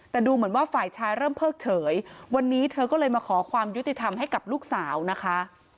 แต่ดูเหมือนว่าฝ่ายชายเริ่มเพิกเฉยวันนี้เธอก็เลยมาขอความยุติธรรมให้กับลูกสาวนะคะ